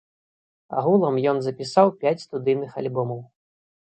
Агулам ён запісаў пяць студыйных альбомаў.